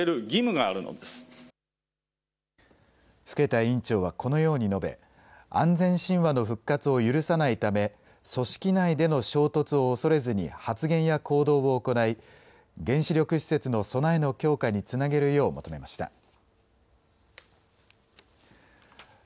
更田委員長はこのように述べ、安全神話の復活を許さないため組織内での衝突を恐れずに発言や行動を行い原子力施設の備えの強化につなげるよう求めました。